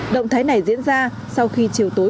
động thái này diễn ra sau khi chiều tối